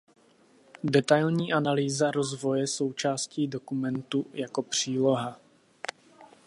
Detailní analýza rozvoje součástí dokumentu jako příloha.